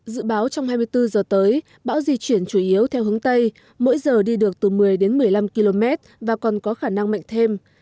dự báo trong hai mươi bốn giờ tới bão di chuyển chủ yếu theo hướng tây mỗi giờ đi được từ một mươi đến một mươi năm km và còn có khả năng mạnh thêm